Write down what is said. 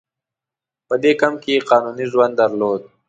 په دې کمپ کې یې قانوني ژوند درلود.